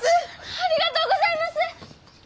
ありがとうございます！